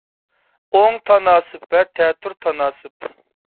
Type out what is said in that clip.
ئوڭ تاناسىپ ۋە تەتۈر تاناسىپ